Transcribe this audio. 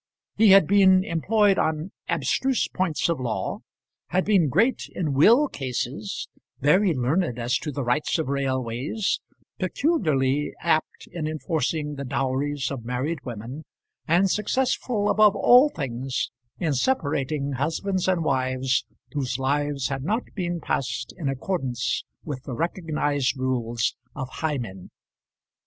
He had been employed on abstruse points of law, had been great in will cases, very learned as to the rights of railways, peculiarly apt in enforcing the dowries of married women, and successful above all things in separating husbands and wives whose lives had not been passed in accordance with the recognised rules of Hymen.